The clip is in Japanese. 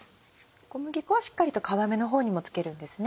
小麦粉はしっかりと皮目の方にもつけるんですね。